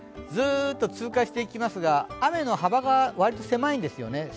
ずっと通過していきますが、雨の幅が割と狭いんですよね、